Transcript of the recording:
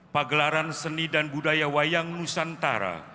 pagelaran seni dan budaya wayang nusantara